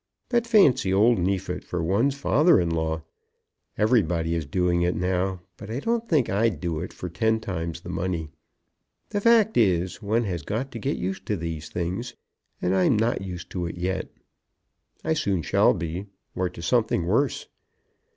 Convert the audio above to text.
But fancy old Neefit for one's father in law! Everybody is doing it now; but I don't think I'd do it for ten times the money. The fact is, one has got to get used to these things, and I am not used to it yet. I soon shall be, or to something worse."